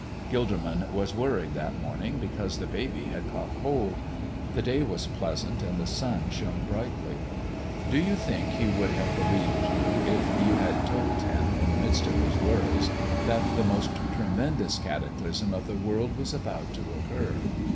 Gilderman was worried that morning because the baby had caught cold. The day was pleasant and the sun shone brightly. Do you think he would have believed you if you had told him, in the midst of his worries, that the most tremendous cataclysm of the world was about to occur?